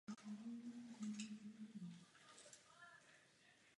Je počátkem historické paměti Egypťanů– před ní Egyptu měli vládnout bohové.